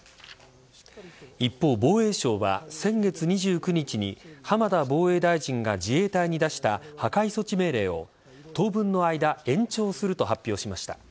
一方、防衛省は先月２９日に浜田防衛大臣が自衛隊に出した破壊措置命令を当分の間延長すると発表しました。